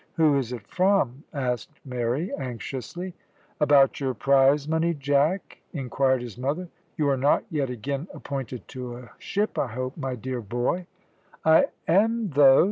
"Who is it from?" asked Mary anxiously. "About your prize money, Jack?" inquired his mother. "You are not yet again appointed to a ship, I hope, my dear boy?" "I am, though!"